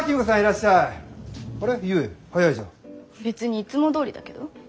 別にいつもどおりだけど？